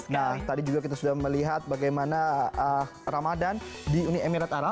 nah tadi juga kita sudah melihat bagaimana ramadan di uni emirat arab